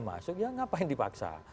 masuk ya ngapain dipaksa